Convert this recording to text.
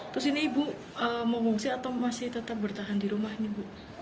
terus ini ibu mau fungsi atau masih tetap bertahan di rumah ini ibu